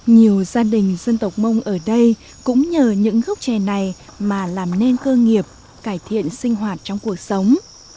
nhiều gia đình dân tộc mông ở đây cũng nhờ những gốc chè này mà làm nên cơ nghiệp cải thiện sinh hoạt trong cuộc sống